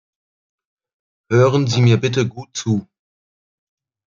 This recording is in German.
Hören Sie mir bitte gut zu.